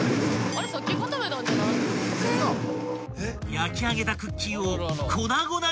［焼き上げたクッキーを］